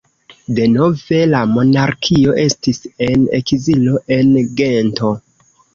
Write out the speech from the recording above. Denove la monarkio estis en ekzilo, en Gento.